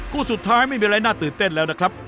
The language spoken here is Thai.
คู่สุดท้ายไม่มีอะไรหน้าตื่นเต้นนะครับ